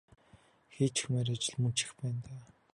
Хийчихмээр ажил мөн ч их байна даа.